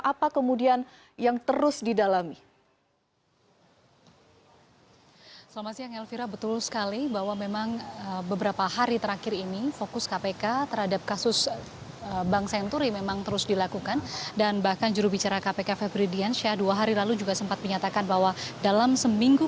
apa kemudian yang terus didalami